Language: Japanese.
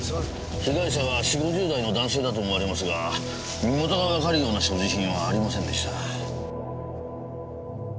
被害者は４０５０代の男性だと思われますが身元がわかるような所持品はありませんでした。